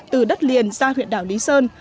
từ đất liền ra huyện đảo lý sơn